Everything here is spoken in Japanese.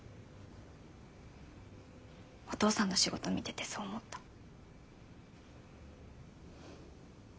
お父さんの仕事見ててそう思った。